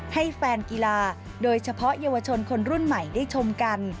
ให้แฟนกีฬาโดยเฉพาะเยาวชนคนรุ่นใหม่ได้ชมกัน